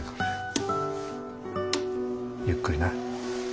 ゆっくりな。